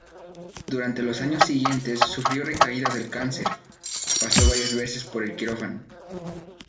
Durante los años siguientes sufrió recaídas del cáncer, pasó varias veces por el quirófano.